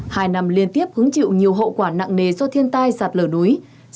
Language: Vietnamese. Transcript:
hai năm liên tiếp hứng chịu nhiều hậu quả nặng nề do thiên tai sạt lở núi